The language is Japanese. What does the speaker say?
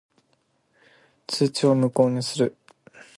通知を無効にする。